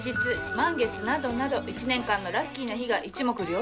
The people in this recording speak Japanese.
満月などなど一年間のラッキーな日が一目瞭然。